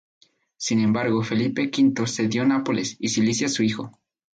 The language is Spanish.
Sin embargo, Felipe V cedió Nápoles y Sicilia a su hijo.